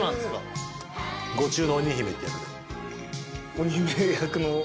鬼姫役の。